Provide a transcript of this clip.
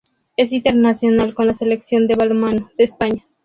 Es internacional con la Selección de balonmano de España.